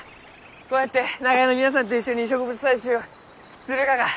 こうやって長屋の皆さんと一緒に植物採集するがが。